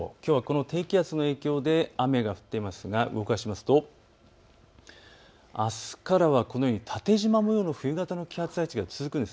低気圧の影響で雨が降っていますが動かしますとあすからはこのように縦じまの冬型の気圧配置が続くんです。